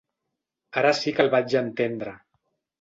Ara sí que el vaig entendre.